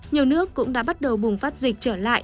nhiều nước cũng đã bắt đầu bùng phát dịch trở lại